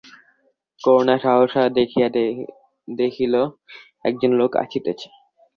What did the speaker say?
করূণা সহসা দেখিল একজন লোক আসিতেছে।